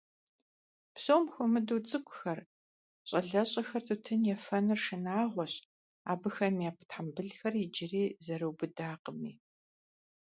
Псом хуэмыдэу цӀыкӀухэр, щӀалэщӀэхэр тутын ефэныр шынагъуэщ, абыхэм я тхьэмбылхэр иджыри зэрыубыдакъыми.